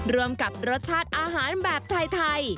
รวมกับรสชาติอาหารแบบไทย